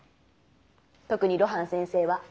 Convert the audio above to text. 特に露伴先生は。